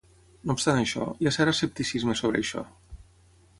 No obstant això, hi ha cert escepticisme sobre això.